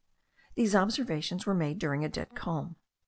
These observations were made during a dead calm.